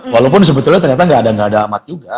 walaupun sebetulnya ternyata nggak ada amat juga